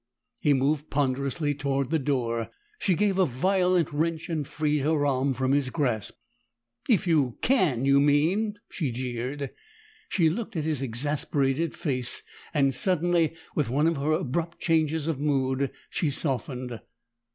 He moved ponderously toward the door; she gave a violent wrench and freed her arm from his grasp. "If you can, you mean!" she jeered. She looked at his exasperated face, and suddenly, with one of her abrupt changes of mood, she softened.